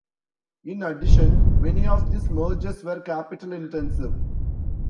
In addition, many of these mergers were capital-intensive.